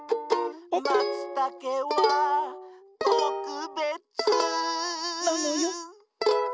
「マツタケはとくべつ」なのよ。